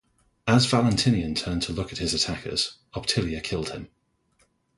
As Valentinian turned to look at his attackers, Optilia killed him.